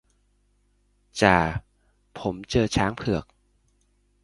จ่า ผมเจอช้างเผือก